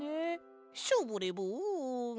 ショボレボン。